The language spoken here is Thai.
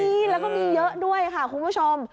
มีแล้วก็มีเยอะด้วยค่ะคุณผู้ชม